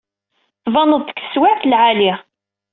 Tbaneḍ-d deg teswiɛt n lɛali.